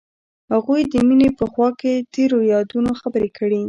هغوی د مینه په خوا کې تیرو یادونو خبرې کړې.